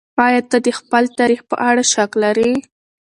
ايا ته د خپل تاريخ په اړه شک لرې؟